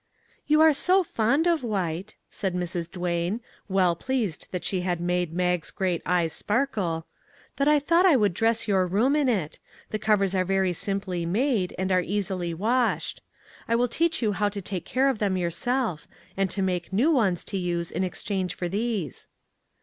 " You are so fond of white," said Mrs. Duane, well pleased that she had made Mag's great eyes sparkle, " that I thought I would dress your room in it; the covers are very simply made, and are easily washed. I will teach you how to take care of them yourself, and to make new ones to use in exchange for these."